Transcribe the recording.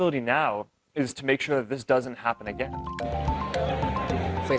jadi tanggung jawab kita sekarang adalah untuk memastikan ini tidak terjadi lagi